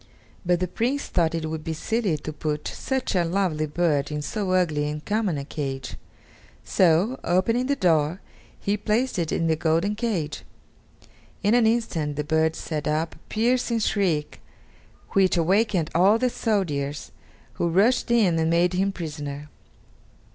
But the Prince thought it would be silly to put such a lovely bird in so ugly and common a cage; so, opening the door, he placed it in the golden cage. In an instant the bird set up a piercing shriek, which awakened all the soldiers, who rushed in and made him prisoner.